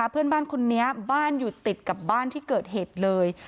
เพื่อนบ้านคนนี้บ้านอยู่ติดกับบ้านที่เกิดเหตุเลย